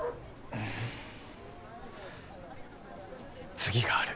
次がある。